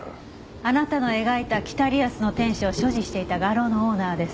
あなたの描いた『北リアスの天使』を所持していた画廊のオーナーです。